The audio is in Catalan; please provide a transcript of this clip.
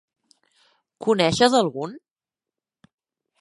Coneixes algun?